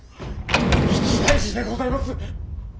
一大事でございます。